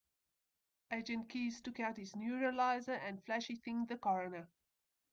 Agent Keys took out his neuralizer and flashy-thinged the coroner.